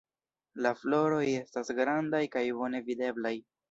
La floroj estas grandaj kaj bone videblaj.